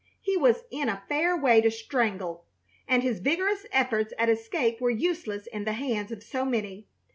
He was in a fair way to strangle, and his vigorous efforts at escape were useless in the hands of so many.